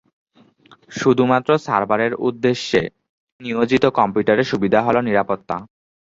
শুধুমাত্র সার্ভারের উদ্দেশ্যে নিয়োজিত কম্পিউটারের সুবিধা হল নিরাপত্তা।